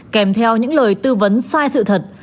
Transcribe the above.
kèm theo những lời tư vấn sai sự thật